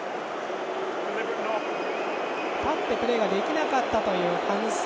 立ってプレーができなかったという反則。